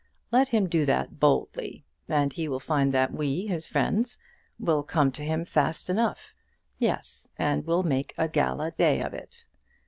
Let him do that boldly, and he will find that we, his friends, will come to him fast enough; yes, and will make a gala day of it.